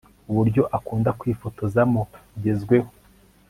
Uburyo akunda kwifotozamo bugezweho